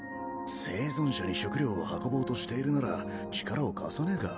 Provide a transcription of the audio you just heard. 生存者に食料を運ぼうとしているなら力を貸さねぇか？